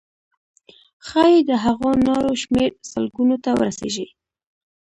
ښایي د هغو نارو شمېر سلګونو ته ورسیږي.